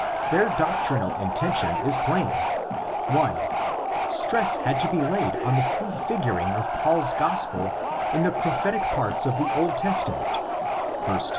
Their doctrinal intention is plain: (1) ITS COMPOSITION 109 Stress had to be laid on the prefiguring of Paul's Gospel in the prophetic parts of the Old Testament (verse 2).